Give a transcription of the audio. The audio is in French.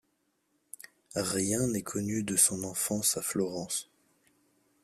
Rien n’est connu de son enfance à Florence.